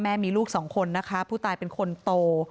แม่มีลูกสองคนนะคะผู้ตายเป็นคนโต